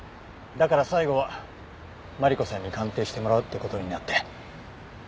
だから最後はマリコさんに鑑定してもらうって事になって。